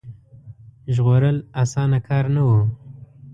ژغورل اسانه کار نه وو.